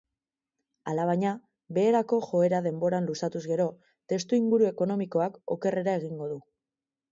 Alabaina, beherako joera denboran luzatuz gero, testuinguru ekonomikoak okerrera egingo du.